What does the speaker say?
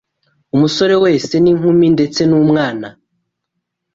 Umusore wese n’inkumi ndetse n’umwana